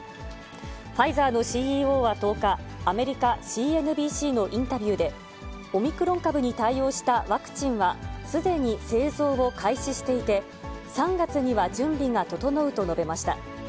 ファイザーのＣＥＯは１０日、アメリカ・ＣＮＢＣのインタビューで、オミクロン株に対応したワクチンはすでに製造を開始していて、３月には準備が整うと述べました。